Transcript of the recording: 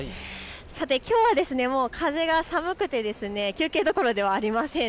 さて、きょうは風が寒くて休憩どころではありません。